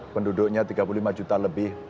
penduduknya tiga puluh lima juta lebih